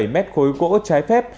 hai mươi bảy mét khối gỗ trái phép